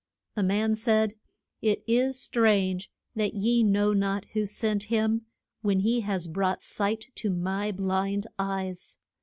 The man said, It is strange that ye know not who sent him, when he has brought sight to my blind eyes.